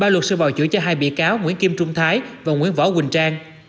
ba luật sư bảo chữa cho hai bị cáo nguyễn kim trung thái và nguyễn võ quỳnh trang